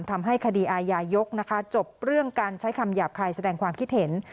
ทำให้คดีอาญายกนะคะจบเรื่องการใช้คำหยาบคายแสดงความคิดเห็น